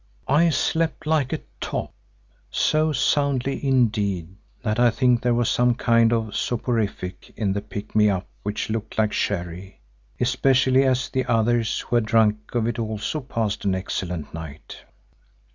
I slept like a top, so soundly indeed that I think there was some kind of soporific in the pick me up which looked like sherry, especially as the others who had drunk of it also passed an excellent night.